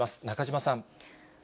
中島さん。